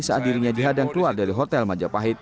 saat dirinya dihadang keluar dari hotel majapahit